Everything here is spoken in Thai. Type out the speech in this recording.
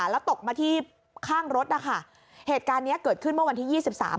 แล้วตกมาที่ข้างรถนะคะเหตุการณ์เนี้ยเกิดขึ้นเมื่อวันที่ยี่สิบสาม